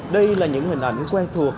đây là những hình ảnh quen thuộc